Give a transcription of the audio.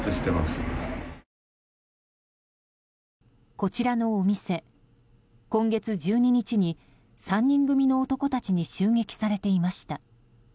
こちらのお店今月１２日に３人組の男たちに襲撃されていました。